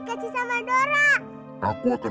jadi aku mengijinkan kamu